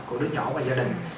của đứa nhỏ và gia đình